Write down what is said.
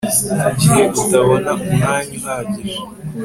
gihe utabona umwanya uhagije